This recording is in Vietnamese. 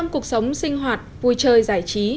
trong cuộc sống sinh hoạt vui chơi giải trí